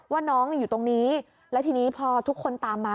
ว่าน้องอยู่ตรงนี้แล้วทีนี้พอทุกคนตามมา